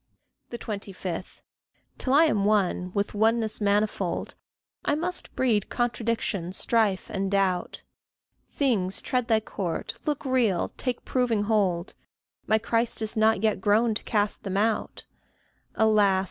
25. Till I am one, with oneness manifold, I must breed contradiction, strife, and doubt; Things tread Thy court look real take proving hold My Christ is not yet grown to cast them out; Alas!